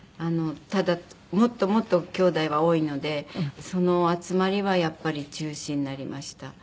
ただもっともっときょうだいは多いのでその集まりはやっぱり中止になりました。